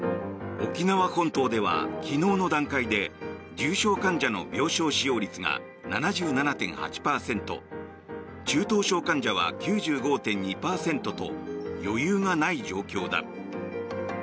沖縄本島では昨日の段階で重症患者の病床使用率が７７．８％中等症患者は９５．２％と余裕がない状況だ。